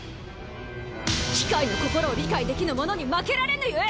機械の心を理解できぬ者に負けられぬゆえ！